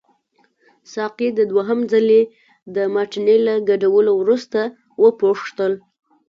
ساقي د دوهم ځلي د مارټیني له ګډولو وروسته وپوښتل.